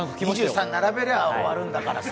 並べりゃ終わるんだからさ。